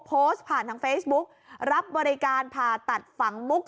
โพสต์ผ่านทางเฟซบุ๊กรับบริการผ่าตัดฝังมุก